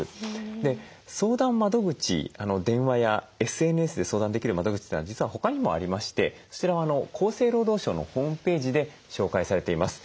で相談窓口電話やＳＮＳで相談できる窓口というのは実は他にもありましてそちらは厚生労働省のホームページで紹介されています。